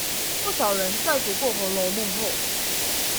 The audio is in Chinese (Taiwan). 不少人在讀過紅樓夢後